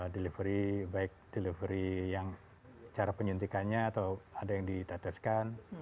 delivery baik delivery yang cara penyuntikannya atau ada yang diteteskan